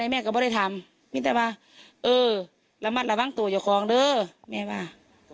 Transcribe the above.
มีแต่ว่าเออระมัดระวังตัวอย่าคล้องด้วยแม่บอกว่า